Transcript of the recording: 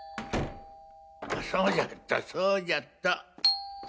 そうじゃったそうじゃった。